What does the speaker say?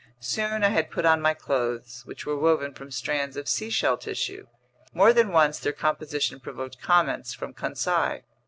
Soon I had put on my clothes, which were woven from strands of seashell tissue. More than once their composition provoked comments from Conseil.